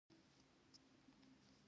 د ګپ شپ لپاره ښه موقع وه.